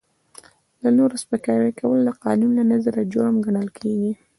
د نورو سپکاوی کول د قانون له نظره جرم ګڼل کیږي.